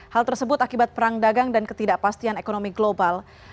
hal tersebut akibat perang dagang dan ketidakpastian ekonomi global